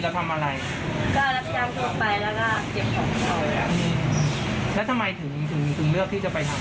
ก็รับการตัวไปแล้วก็เจ็บของเราแล้วทำไมถึงเลือกที่จะไปทำ